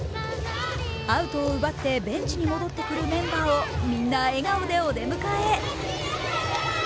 アウトを奪ってベンチに戻ってくるメンバーをみんな笑顔でお出迎え。